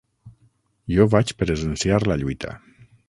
Jo vaig presenciar la lluita.